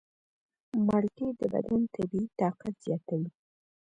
مالټې د بدن طبیعي طاقت زیاتوي.